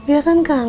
ya kan kang